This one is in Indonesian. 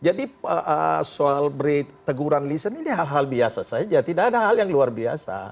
jadi soal beri teguran listen ini hal hal biasa saja tidak ada hal yang luar biasa